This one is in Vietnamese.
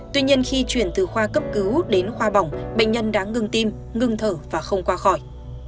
tuy nhiên khi chuyển từ khoa cấp cứu đến khoa bỏng bệnh nhân đã ngừng tim ngừng thở và không qua khỏi